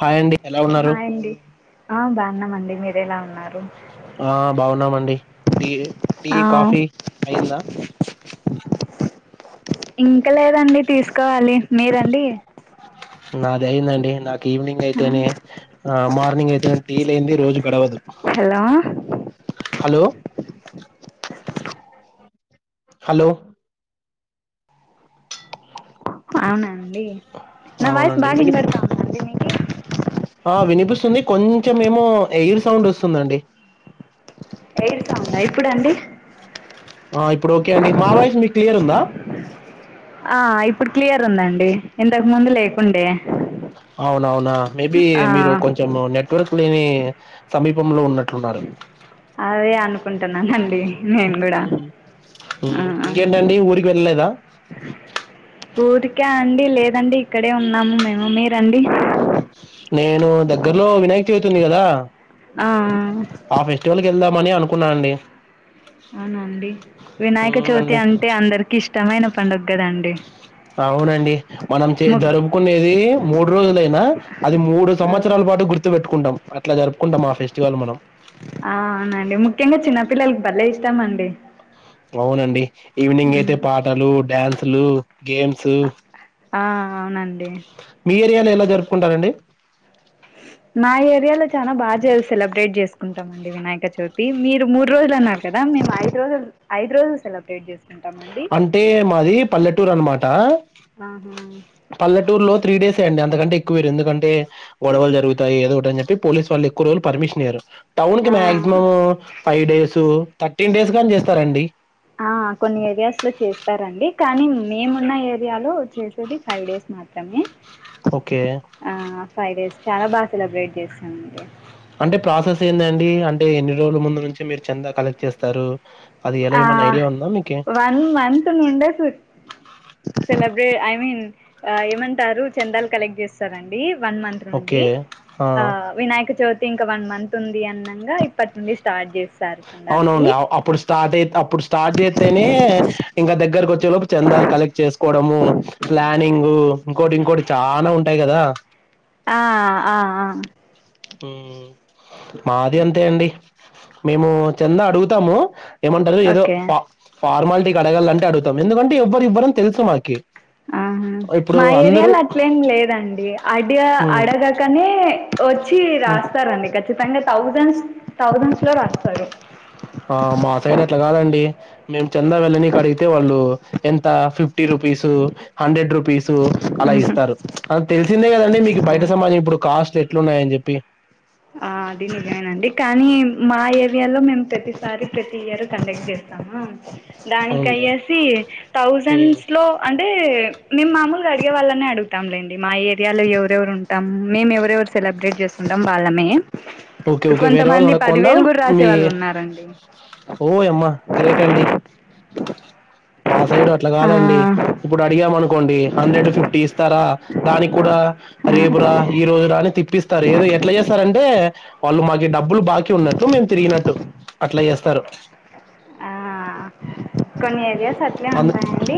Hi అండి ఎలా ఉన్నారు హయ్ అండి ఆ బాగున్నామండి మీరెలా ఉన్నారు ఆ బాగున్నామండి టీ టీ ఆ కాఫీ అయిందా ఇంకా లేదండి తీసుకోవాలి మీరండి నాది అయిందండి నాకు ఈవినింగ్ ఆ, అయితేనే ఆ మార్నింగ్ అయితే టీ లేనిదే రోజు గడవదు హలో హలో హలో [inaudible] అవును అండి నా వయస్సు అవునండి బాగా విని వినపడత ఆ వినిపిస్తుంది కొంచెం ఏమో ఎయిర్ సౌండ్ వస్తుందండి వెళ్తాము ఎప్పుడండి ఆ ఇప్పుడు ఓకే అండి మా వాయిస్ మీకు క్లియర్ ఉందా ఆ ఇప్పుడు క్లియర్ ఉందండి ఇంతకు ముందు లేకుండే అవునవునా మేబి ఆ మీరు కొంచెం నెట్వర్క్ లేని సమీపంలో ఉన్నట్లున్నారు అదే అనుకుంటున్నానండి నేను కూడా ఇంకేంటండి ఊరికి వెళ్ళలేదా ఊరికా అండి లేదండి ఇక్కడే ఉన్నాము మేము మీరండి నేను దగ్గర్లో వినాయక చవితి ఉంది కదా ఆ ఆ ఫెస్టివల్కి వెళ్దామని అనుకున్నానండి అవునండి వినాయక చవితి అవునండి అంటే అందరికి ఇష్ ష్టమైన పండుగ కదండి అవునండి మనం చే ము మూడు రోజులేనా అది మూడు సంవత్సరాల పాటు గుర్తు పెట్టుకుంటాం అట్లా జరుపుకుంటాం ఆ ఫెస్టివల్ మనం ఆ అవునండి ముఖ్యంగా చిన్నపిల్లలకు భలే ఇష్టమండి అవునండి ఈవినింగ్ అయితే మ్, పాటలు డ్యాన్సు లు గేమ్స్ ఆ అవునండి మీ ఏరియాలో ఎలా జరుపుకుంటారండి నా ఏరియాలో చాలా బాగా సెలబ్రేట్ చేసుకుంటాం అండి వినాయక చవితి మీరు మూడు రోజులు అన్నారు కదా మేము ఐదు రోజులు ఐదు రోజులు సెలబ్రేట్ చేస్తాం అంటే మాది పల్లెటూరు అనమాట ఆహా పల్లెటూర్లో త్రీ డేసే అండి అంతకంటే ఎక్కువీయరు ఎందుకంటే గొడవలు జరుగుతాయి ఏదోటి అని చెప్పి పోలీస్ వాళ్ళు రోజులు పర్మిషన్ ఇవ్వరు టౌన్ కి ఆ maximum five days thirteen days గాని చేస్తారండి ఆ కొన్ని ఏరియాస్లో చేస్తారండి కానీ మేమున్న ఏరియాలో చేసేది ఫైవ్ డేస్ మాత్రమే ఓకే ఆ ఫైవ్ డేస్ చాలా బాగ సెలబ్రేట్ [unintelligible] అంటే ప్రాసెస్ ఏందండి అంటే ఎన్ని రోజుల ముందు నుంచే మీరు చంద కలెక్ట్ చేస్తారు అది ఎలా ఆ ఏమన్నా ఐడియా ఉందా మీకి? వన్ మంత్ నుండే సెలబ్రేట్ ఐ మీన్ ఏమంటారు చందాలు కలెక్ట్ చేస్ డి వన్ మంత్ ఓకే. నుండి ఆ! వినాయక [unintelligible] ఇంకా వన్ మంత్ ఉంది అనంగా ఇప్పటి నుండి స్టార్ట్ చేస్తారు చిండాలకి అవునవునులే. అ అప్పుడు స్టార్ట్ అయి అప్పుడు స్టార్ట్ చేస్తేనే ఇంకా దగ్గరకు వచ్చే లోపు చందాలు కలెక్ట్ చేసుకోవడము ప్లానింగ్ ఇంకోటి ఇంకోటి చాల ఉంటాయి కదా ఆ ఆ మాది అంతే అండి మేము చెంద అడుగుతాము ఏమంటారు ఏదో ఓకే ఫ ఫార్మాలిటీకి అడగాలంటే అడుగుతాం ఎందుకంటే ఎవ్వరు ఇవ్వరని తెలుసు మాకి ఆహా ఇప్పుడు మా అందరూ ఏరియాలో అట్లేం లేదండి అడ హ్మ్. అడగాకనే వచ్చి హ్మ్. రాస్తారండి [unintelligible] థౌజండ్స్ థౌజండ్స్ లో రాస్తాడు ఆ మా సైడ్ అట్లా కాదండి మేము చంద వెళ్ళనికి అడిగితే వాళ్ళు ఎంత ఫిఫ్టీ రుపీసు హండ్రెడ్ రుపీసు అల ఉహు. ఇస్తారు అ తెలిసిందే కదండి మీకు బయట సమాజం ఇప్పుడు కాస్ట్ ఎట్లున్నాయని చెప్పి ఆ అది నిజమేనండి కానీ మా ఏరియాలో మేము ప్రతిసారి ప్రతి ఇయర్ కండక్ట్ చేస్ దానికి అవునులే అయ్యేసి ఉమ్. థౌజండ్స్ లో అంటే మేము మాముూలుగా అడిగే వాళ్ళనే అడుగుాంలేండి మా ఏరియాలో ఎవరెవరు ఉంటాం మేము ఎవరెవరు సెలబ్రేట్ చేస్తుంటాం వాలమే ఓకే ఓకే వేరే వాళ్ళని అడగకుండా కూడా రాసే మీ వాళ్ళు ఉన్నారండి ఓ అమ్మా గ్రేట్ అండి మా సైడు అట్లా కాదండి ఆ ఇప్పుడు అడిగాము అనుకోండి హండ్రెడ్ ఫిఫ్టీ ఇస్తారా దానికి కూడా రేపు రా ఈ రోజు రా అని తిప్పిస్ ఏదో ఎట్లా చేస్తారంటే వాళ్ళు మాకి డబ్బులు బాకీ ఉన్నట్లు మేము తిరిగినట్టు అట్ల చేస్తారు ఆ కొన్ని ఏరియాస్ అందు ఉంటాయండి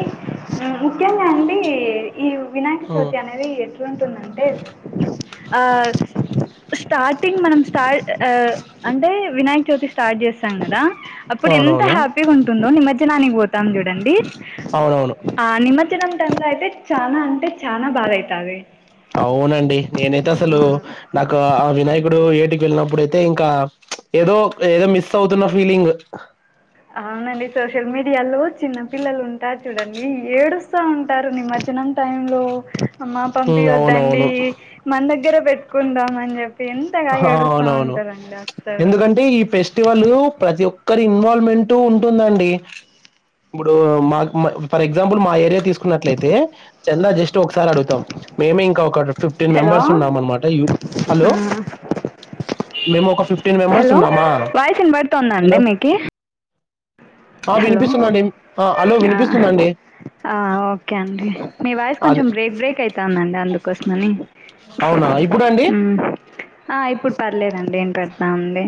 ముఖ్యంగా అండి ఈ వినాయక ఉమ్. చవితి అనేది [unintelligible] టుందంటే ఆ స్టార్టింగ్ మనం స్టార్ట్ అంటే వినాయక చవితి స్టార్ట్ చేస్తాం కదా అప్పుడు ఎంత అవునవును. హ్యాపీగ ఉంటుందో నిమజ్జనానికి పోతాం చూడండి అవునవును ఆ నిమజ్జనం టైమ్ లో అయితే చాన అంటే చాన బాద అయితది అవునండి నేనైతే అసలు నాకు ఆ వినాయకుడు ఏటికి వెళ్ళినప్పుడు అయితే ఇంక ఏదో ఏదో మిస్ అవుతున్న ఫీలింగ్ అవునండి సోషల్ మీడియాలో చిన్న పిల్లలు ఉంటారు చూడండి ఏడుస్తా ఉంటారు నిమ్మజనం టైమ్ లో అమ్మా హ్మ్. అవునవును. [unintelligible] మన దగ్గరే పెట్టుకుందాం అని చెప్పి ఎంతగ ఏడుస్తా ఉంటారండి అసలు అ ఈ పేస్ [unintelligible] ప్రతి ఒక్కరి ఇన్వల్మెంట్ట్ ఉంటుందండి ఇప్పుడు మా ఫర్ ఎగ్జాంపుల్ మా ఏరియా తీసుకున్నట్లయితే చందా జస్ట్ ఒకసారి అడుగుతాం మేమే ఇంకా ఒక ఫిఫ్టీన్ హలో మెంబర్స్ ఉన్నాం అనమాట హలో! ఆ మేము ఒక మెంబర్స్ హలో ఉన్నామా? వాయిస్ ఇన పడుతుందండి హలో! మీకు ఆ వినిపిస్తుందిండి ఆ హలో వినిపిస్తుందండి ఆ ఓకే అండి మీ వాయిస్ అది కొంచెం బ్రేక్ బ్రేక్ అవుతందండి అందుకోసమని అవునా ఇప్పుడు అండి మ్మ్ ఆ ఇప్పుడు పర్లేదండి ఏంటి పెద్దతామంది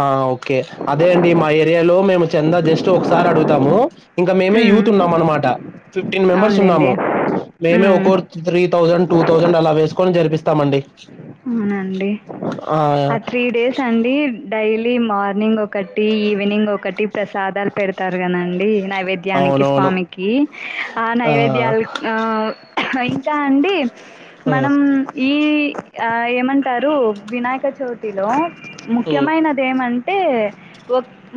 ఆ ఓకే అదే అండి మా ఏరియాలో మేము చెంద జస్ట్ ఒకసారి అడుగుతాము ఇంకా మేమే మ్మ్ యూత్ ఉన్నాము అనమాట ఫిఫ్టీన్ మెంబర్స్ ఉన్నాము అవునులేండి మేమే మ్మ్ ఒకరు త్రీ థౌసండ్ టూ థౌజండ్ అలా వేకొని జపిస్తామండి అవునండి ఆ త్రీ డేస్ అండి డైలీ మార్నింగ్ ఒక ఒకటి ఈవినింగ్ ఒకటి ప్రసాదాలు పెడతారు కదండి నైవేద్యానికి అవునవును. స్వామి కి ఆ! నైవేద్యాలు అ ఇంకా అండి ఆ! మనం ఈ అ ఏమంటారు వినాయక చవితిలో హ్మ్. ముఖ్యమైన ఏమంటే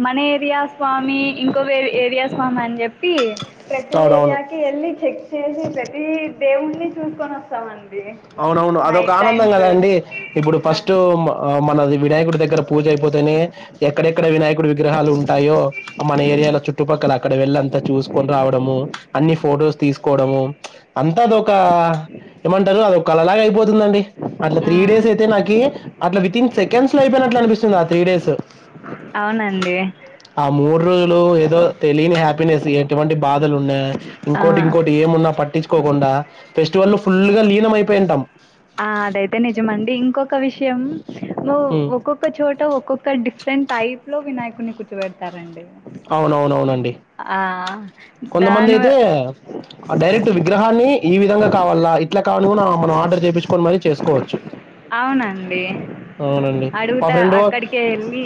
మన ఏరియా స్వామి ఇంకో వే ఏరియా స్వామి అని చెప్పి ప్రతి అవునవును. ఏరియాకి వెళ్ళి చెక్ చేసి ప్రతి దేవుడిని చూసుకొని వస్తాం అండి అవునవును అదొక ఆనందం కదండి ఇప్పుడు హా ఫస్ట్ మనది వినాయకుడి దగ్గర పూజ అయిపోతేనే ఎక్కడెక్కడ వినాయకుడు విగ్రహాలు ఉంటాయో మన ఏరియాలో చుట్టుపక్కల అక్కడ వెళ్ళంతా చూసుకొని రావడము అన్ని ఫొటోస్ తీసుకోవడము అంతా అదొ ఒక ఏమంటారు అద ఒక అళలాగ అయిపోతుందండి అట్లా ఆ త్రీ డేస్ అయితే నాకి అట్లా వితిన్ సెకండ్స్ లో అయిపోయినట్లు అనిపిస్తుంది ఆ త్రీ డేస్ అవునండి ఆ మూడు రోజులు ఏదో తెలియని హ్యాపీనెస్ ఎటువంటి బాధలు ఉన్నాయా ఆ ఇంకోటి ఇంకోటి ఏమున్నా పట్ పట్టించుకోకుండా ఫెస్టివల్ ను ఫుల్ గా లీనం అయిపోయింటాం ఆ అదైతే నిజమండి ఇంకొక విషయం హ్మ్. ఒక్కొక్క చోట ఒక్కొక్క ఇక్కడ డిఫరెంట్ టైప్ లో వినాయకుడిని కూర్చోబెడతారండి అవునవునవునండి ఆ కొంతమంది దాని వ అయితే డైరెక్ట్ విగ్రహాన్ని ఈ విధంగా కావాల అట్లా కావని మన మనం ఆర్డర్ చేయించుకొని మరీ చేసుకోవచ్చు అవునండి అవునండి మా అడుగుతా ఫ్రెండ్ వా అక్కడికే వెళ్ళి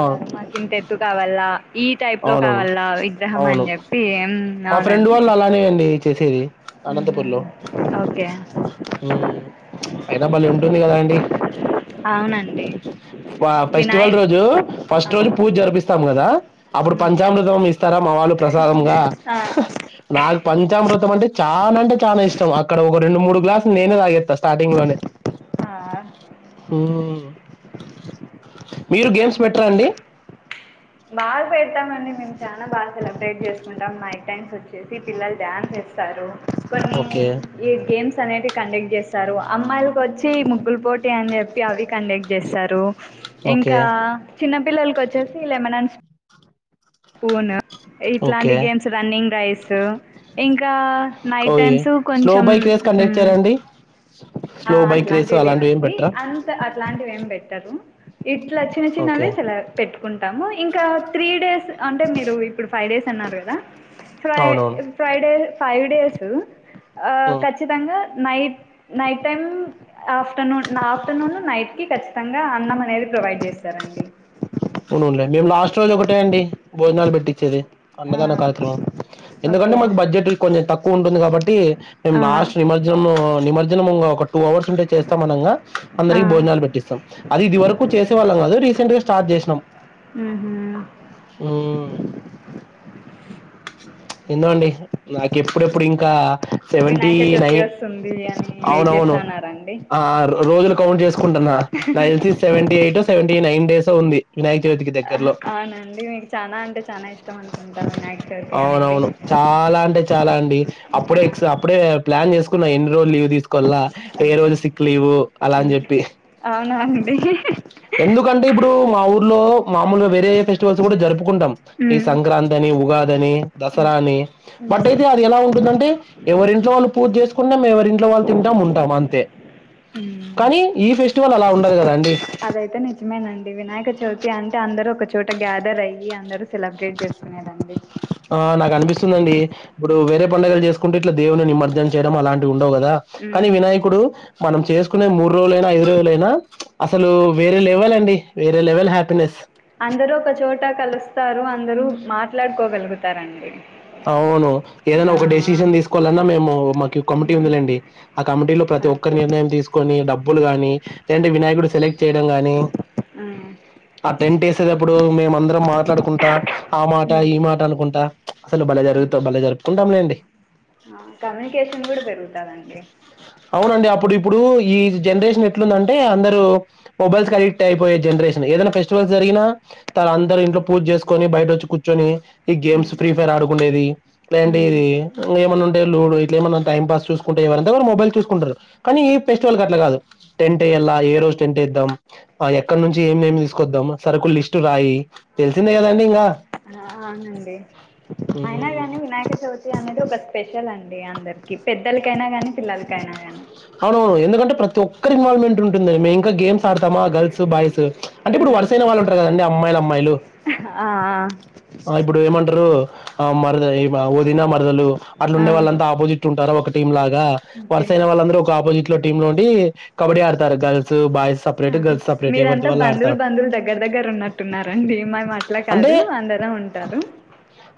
ఆ మాకు ఇంత ఎత్తు కావాల ఈ టైప్లో అవునవును కావాల విగ్రహం అని చెప్పి అవునండి [unintelligible] చేసియి ఉహు ఓకే మ్మ్ అయినా బళ్ళీ ఉంటుంది కదా అండి అవునండి ఫెస్టివల్ వినాయక్ రోజు ఆ, ఫస్ట్ రోజు పూజ జరిపిస్తాం కదా అప్పుడు అవునండి పంచామృతం ఇస్తారా మా వాళ్ళు ప్రసాదంగా ఆ నాకు పంచామృతం అంటే చాలా అంటే చాలా ఇష్టం అక్కడ ఒక రెండు మూడు గ్లాసులు నేనే తగేస్తా స్టార్ంగ్ లోనే ఆ, మీరు గేమ్స్ పెట్టరండి బాగా పెడతామ అండి మేము చాలా బాగా సెలబ్రేట్ చేసుకుంటాం మై టైమ్స్ వచ్చేసి పిల్లలు డ్యాన్స్ ఇస్తారు కొన్ని ఓకే నేను ఈ గేమ్స్ అనేటి కండక్ట్ చేస్తారు అమ్మాయిలకొచ్చి ముగ్గుల పోటీ అని చెప్పి అవి కండక్ట్ చేస్తారు ఓకే ఇంకా చిన్న పిల్లలకొచ్చేసి లెమనన్స్ స్పూన్ ఇట్లాంటి ఓకే గేమ్స్ రన్నింగ్ రైస్ ఇంకా నైట్ ఓయే టైమ్స్ స్లో కొంచెం బైక్ రేస్ కండక్ట్ ఉమ్ చేయరా అండి ఆ స్లో బైక్ రేస్ అట్లాంటివి అలాంటివి ఏం లేవండి పెట్టరా అ కా అట్లాంటివి ఏం పెట్టరు ఇట్లా చిన్న ఓకే చిన్నవి సలా పెట్టుకుంటాము ఇంకా త్రీ డేస్ అంటే మీరు ఇప్పుడు ఫైవ్ డేస్ అన్నారు కదా ఫ్రై అవునవును ఫ్రైడే ఫైవ్ డేసు ఆ హ్మ్ ఖచ్చితంగా నై నైట్ టైమ్ ఆఫ్టర్నూన్ నా ఆఫ్టర్నూన్ నైట్ కి ఖచ్చితంగా అన్నం అనేది ప్రొవైడ్ చేస్తారండి అవునవునులే మేము లాస్ట్ రోజు ఒకటే అండి భోజనాలు పెట్టిచ్చేది ఆ అన్నదాన కార్యక్రమం ఎందుకంటే ఓకే మాకు బడ్జెట్ కొంచెం తక్కువ ఉంటుంది కాబట్టి మేము ఆ లాస్ట్ నిమర్ జము నిమజ్జనం ఒక టూ అవర్స్ ఉంటే చేస్తాం అనంగా ఆ అందరికీ భోజనాలు పెట్టిస్తాం అది ఇది వరకు చేసేవాళ్ళం కాదు రీసెంట్ గా స్టార్ట్ చేసినాం హూ హూ హుమ్ ఏందో అండి నాకు ఎప్పుడెప్పుడు ఇంకా సెవెంటీ వినాయక నై చవితి వస్తుంది అని వెయిట్ అవునవును చేస్తాన్నారండి ఆ రోజులు కౌంట్ చేసుకుంటున్నా నాకు దెలిసి సెవెంటీ ఎయిటో సెవెంటీ నైన్ డేసో ఉంది వినాయక చవితికి దగ్గరలో అవునండి మీకు చానా అంటే చానా ఇష్టం అనుకుంటా వినాయక చవితి అనేది అవునవును చాలా అంటే చాలా అండి అప్పుడే ఎక్స్ అప్పుడే ప్లాన్ చేసుకున్నా ఎన్ని రోజులు లీవ్ తీసుకోవల్లా ఏ ఓకే రోజు సిక్ లీవు అలా అని చెప్పి అవునా అండి ఎందుకంటే ఇప్పుడు మా ఊర్లో మామూలుగా వేరే ఫెస్టివల్స్ కూడా జరుపుకుంటాం ఈ ఉమ్ సంక్రాంతి అని ఉగాది అని ఉమ్ దసరా అని బట్ అయితే అది ఎలా ఉంటుందంటే ఎవరింట్లో వాళ్ళు పూజ చేసుకున్నాం ఎవరి ఇంట్లో వాళ్ళు తింటాం ఉంటాం అంతే కానీ ఈ ఫెస్టివల్ అలా ఉండదు కదా అండి అదైతే నిజమేనండి వినాయక చవితి అంటే అందరూ ఒకచోట గ్యాదర్ అయ్యి అందరూ సెలబ్రేట్ చే అనేదండి ఆ నాకు అనిపిస్తుంది అండి ఇప్పుడు వేరే పండుగలు చేసుకుంటే ఇట్లా దేవుని నిమర్జనం చేయడం అలాంటి ఉండవు కదా కానీ ఉమ్ వినాయకుడు మనం చేసుకునే మూడు రోజులైనా ఐదు రోజులైనా అసలు వేరే లెవెల్ అండి వేరే లెవెల్ హ్యాపీనెస్ అందరూ ఒక చోట కలుస్తారు అందరూ మాట్లాడుకోగలుగుతారండి అవును ఏదనా ఆ ఒక డెసిషన్ తీసుకోవాలన్నా మేము మాకీ కమిటీ ఉందిలేండి ఆ కమిటీలో ఆ ప్రతి ఒక్కరూ ఓకే నిర్ణయం తీస్ కొని డబ్బులు గానీ లేదంటే వినాయకుడు సెలెక్ట్ చేయడం గానీ ఉమ్ ఆ టెంట్ ఏసేటప్పుడు మేమందరం మాట్లాడుకుంటా ఆ మాట ఉమ్ ఈ మాట అనుకుంటా అసలు భలే ఉమ్ జరుగుతో భలే జరుపుకుంటాంలేండి ఆ కమ్యూనికేషన్ కూడా పెరుగుతాదండి అవునండి అప్పుడు ఇప్పుడు ఈ జనరేషన్ ఎట్లుందంటే అందరూ మొబైల్స్ కి అడిక్ట్ అయిపోయే జనరేషన్ ఏదైనా ఫెస్టివల్ జరిగినా తన అందరు ఇంట్లో పూజ్ జెస్కొని బైటఒచ్చి కూచ్చోని ఈ గేమ్స్ ఉమ్ ఫ్రీ ఫైర్ ఆడుకుండేది ఉమ్ ఎట్లాంటిది ఏమన్న ఉంటే లూడో ఇట్లా ఏమన్నా టైం పాస్ చూస్కుంట ఎవర దెగ్గర మొబైల్ చూస్కుంటారు కానీ ఈ ఫెస్టివల్ గట్ల గాదు టెంట్ఎయ్యాల ఏ రోజు టెంట్ఎద్దాం ఆ ఎక్కనుంచి ఏమేం తీస్కొద్దాం సరుకుల్ లిస్టురాయి తెల్సిందే గదండి ఇంగా అయినా హ్మ్. గాని వినాయక చవితి అనేది ఒక స్పెషల్ అండి అందర్కి పెద్దలకైనా గాని పిల్లలకైనా గాని అవును ఎందుకంటే ప్రతి ఒక్కరి ఇన్వాల్వ్మెంట్ ఉంటుంది మేం ఇంకా గేమ్స్ ఆడ్తామా గర్ల్స్ బాయ్స్ అంటే ఇప్పుడు ఉమ్ వార్సేన వాళ్ళు ఉంట్రు కదండి అమ్మాయిలు అమ్మాయిలు ఆ ఆ అ ఇప్పుడు ఏమంట్రూ ఆ మర్ ద ఇమా వదిన మరదలు అట్ల ఆ ఉండే వాళ్ళంతా ఆపోజిట్ టారు ఒక టీం లాగా ఓకే ఆపోజిట్ లో టీమ్ లో ఉండీ కబడ్ ఆడ్తారు girls boys separate girls separate ఎవర్ది వాళ్ళు ఆడ్తారు దెగ్గర్ దెగ్గర ఉన్నట్టున్నారండి మేము అట్లా కాదు అందరం ఉంటారు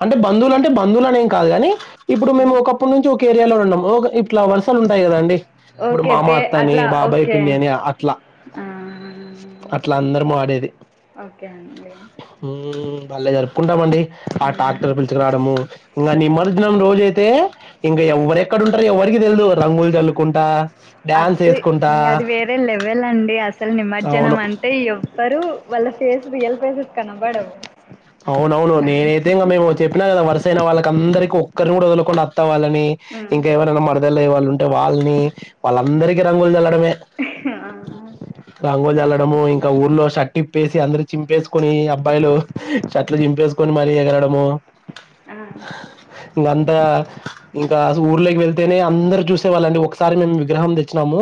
అంటే బంధువులు అంటే బంధువులు అనేంకాదు గానీ ఇప్పుడు మేము ఉమ్ ఒక అప్పు నుంచి ఒక ఏరియాలోనే ఉన్నాము ఇట్లా వర్సలు ఉంటయి కద అండి ఇప్పుడు ఓకే మామ పే అత్త అని అట్లా బాబాయ్ ఓకే పిన్ని అని అట్లా ఆ అట్లా అందరం ఆడేది ఓకే అండి ఊమ్ బాలే జరుప్ కుంటాంమండి ఆ ఉమ్ టాక్టర్ పిల్చకురాడము ఇంగ నిమజ్జనం రోజ అయితే ఇంకా ఎవ్వరె ఎక్కడంటారు ఎవార్కి తెల్దు రంగులు జల్లుకుంటా డ్యాన్స్ ఎస్కుంటా ఎవేల్ లేవల్అండి అసలు నిమజ్జనం అంటే ఎవ్వారు వాళ్ళ ఫేస్ రియల్ పేసెస్ కనబడవు అవునవును నేనైతే ఇంగ మేము చెప్పినా గదా వర్సైన వాళ్ళకి అందర్క ఒక్కరిని గూడా ఒదలకుండా అత్తవాళ్ళని ఉమ్ ఇంకా ఎవరైనా మర్దల్ అయ్యే వాళ్ళు ఉంటే వాల్నీ వాళ్ళందరికీ రంగులు జల్లడమే ఆ రంగుల్ జల్లడము ఇంకా ఊర్లో షటు ఇప్పేసి అందరు చింపేస్కుని అబ్బాయిలు చెట్లు జింపెస్కొని మరీ ఎగరడము ఇగ అంతా ఇంకాస ఊర్లాక్ వెళ్తేనే అందరూ చూసే వాళ్ళండి ఒక్సారి మేము విగ్రహం తెచ్చినాము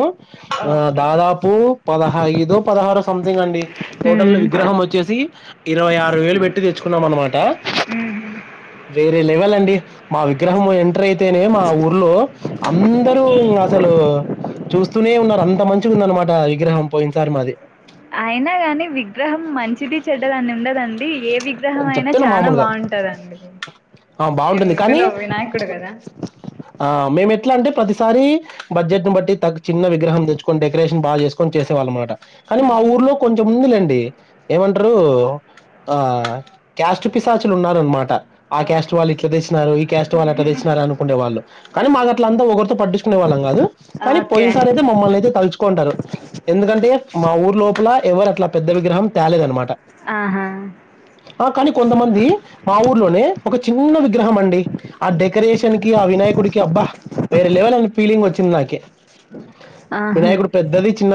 ఆ దాదాపు పదా హైదు పదహారో సంథింగ్ అండి టోటల్ విగ్రహం వో ఒచ్చేసి ఇరవై ఆరు వేలు బెట్టి తెచ్చుకున్నాం అన్నమాట వేరే లెవెల్ అండి మా విగ్రహం ఎంట్రేతేనే మా ఊర్లో అంధరు అసలు చూస్తూనే ఉన్నారూ అంత మంచిగుంది అన్మాట విగ్రహం పోయిన్ సారి మాది అయినా గాని విగ్రహం మంచిది చెడ్డ దాని ఉండదండి ఏ విగ్రహం అయినా చెప్తున్నా చానా మామూలుగా బావుంటాడండి ఆ ఇన్ బాగుంటుంది కానీ దులో వినాయకుడు గదా ఆ మేము ఎట్లా అంటే ప్రతిసారీ బడ్జెట్ను బట్టి తగ్ చిన్న విగ్రహం తెచ్చుకొని డెకరేన్ బా చేస్కొని చేసేవాళ్ళు మాట కానీ మా ఉమ్ ఊర్లో కొంచెం ముందు లేండి ఏమంట్రు ఆ క్యాస్ట్ పిశాచులు ఉన్నార్ అన్మంట ఆ క్యాస్ట్ ఓకే వాళ్ళు ఇట్లా తెచ్చినారు ఈ క్యాస్ట్ వాళ్ళు అట్లా తెచ్చినారూ అను కునే వాళ్ళు కానీ మది అట్లా ఒగర్తో పట్టించుకునే వాళ్ళం గాదు కానీ ఓకే పోయిన్సారి తే మమ్మల్నియితే తల్చుకొంటారు ఎందుకంటే మా ఊర్ లోపల ఎవరు అట్లా పెద్ద విగ్రహం త్యాలేద్ అన్మంట ఆహా ఆ కానీ కొంతమంది మా ఊర్లోనే ఒక చిన్న విగ్రహం అండి ఆ డెకరేషన్ కి ఆ వినాయకుడికి అబ్బా వేరే లెవెల్ అని ఫీలింగ్ వచ్చింది నాకి ఆహా వినాయకుడు పెద్దది చిన్న